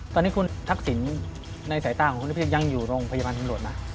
ตอนนี้คุณทักษิณในสายตาของคุณนิเศษยังอยู่โรงพยาบาลตำรวจนะ